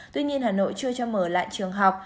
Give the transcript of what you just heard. tuy nhiên hà nội chưa cho mở lại trường học